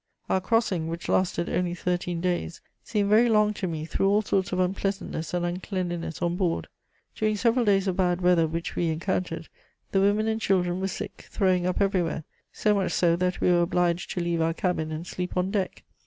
"Our crossing, which lasted only thirteen days, seemed very long to me through all sorts of unpleasantness and uncleanliness on board. During several days of bad weather which we encountered, the women and children were sick, throwing up everywhere, so much so that we were obliged to leave our cabin and sleep on deck.